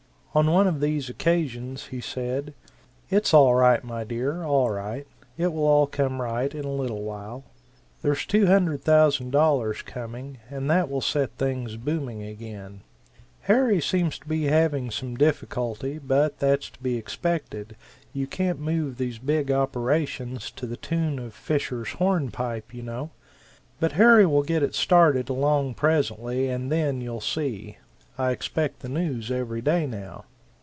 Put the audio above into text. On one of these occasions he said: "It's all right, my dear, all right; it will all come right in a little while. There's $200,000 coming, and that will set things booming again: Harry seems to be having some difficulty, but that's to be expected you can't move these big operations to the tune of Fisher's Hornpipe, you know. But Harry will get it started along presently, and then you'll see! I expect the news every day now."